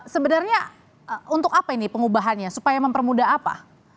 sebenarnya untuk apa ini pengubahannya supaya mempermudah apa